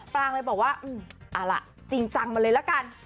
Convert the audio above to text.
ปรางเลยบอกว่าเอาล่ะจริงจังมาเลยละกัน